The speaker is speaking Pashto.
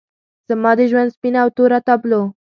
زما د ژوند سپینه او توره تابلو